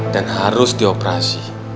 dan harus dioperasi